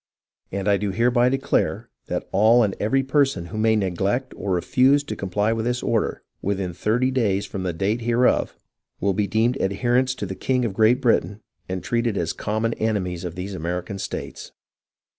And I do hereby declare, that all and every person who may neglect or refuse to comply with this order, within thirty days from the date hereof, will be deemed adherents to the king of Great Britain and treated as common enemies of these American states."